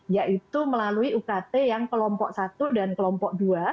yaitu melalui ukt yang kelompok satu dan kelompok dua